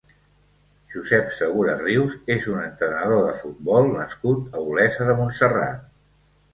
Josep Segura Rius és un entrenador de futbol nascut a Olesa de Montserrat.